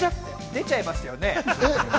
出ちゃいましたよね。